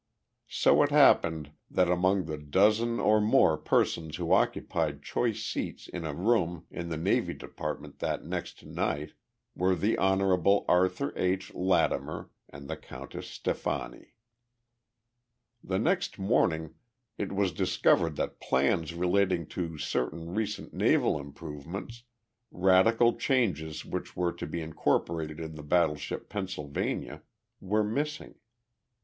So it happened that among the dozen or more persons who occupied choice seats in a room in the Navy Department that next night were the Hon. Arthur H. Lattimer and the Countess Stefani. The next morning it was discovered that plans relating to certain recent naval improvements radical changes which were to be incorporated in the battleship Pennsylvania were missing.